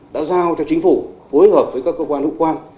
đã giao cho chính phủ phối hợp với các cơ quan hữu quan